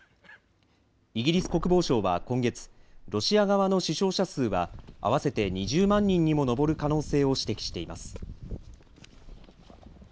イギリス国防省は今月、ロシア側の死傷者数は、合わせて２０万人にも上る可能性を指摘しています。